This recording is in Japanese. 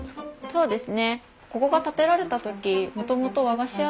そうです。